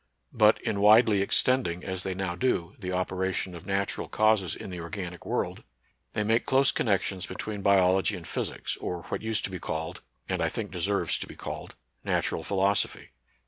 But in widely extending, as they now do, the operation of natural causes in the organic world, they make close connections between biology and physics, or what used to be called, and I think deserves to be called, natural philoso phy.